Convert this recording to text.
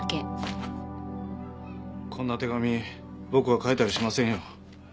こんな手紙僕は書いたりしませんよ。